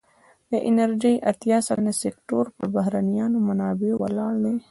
د انرژی اتیا سلنه سکتور پر بهرنیو منابعو ولاړ دی.